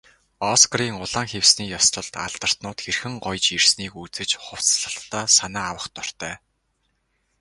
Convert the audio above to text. Оскарын улаан хивсний ёслолд алдартнууд хэрхэн гоёж ирснийг үзэж, хувцаслалтдаа санаа авах дуртай.